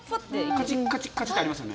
カチ、カチってありますよね。